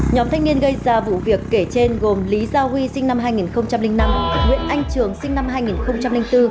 nhóm thanh niên gây ra vụ việc kể trên gồm lý gia huy sinh năm hai nghìn năm nguyễn anh trường sinh năm hai nghìn bốn